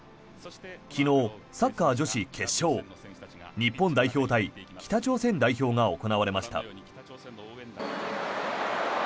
昨日、サッカー女子決勝日本代表対北朝鮮代表が行われました。